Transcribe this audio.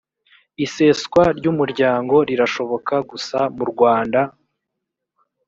iseswa ry umuryango rirashoboka gusa murwanda